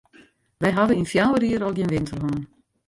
Wy hawwe yn fjouwer jier al gjin winter hân.